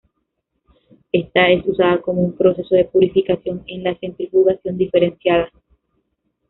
Esta es usada como un proceso de purificación en la centrifugación diferencial.